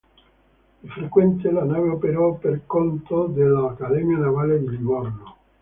Di frequente la nave operò per conto dell'Accademia Navale di Livorno.